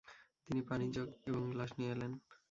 তিনি পানির জগ এবং গ্লাস নিয়ে এলেন।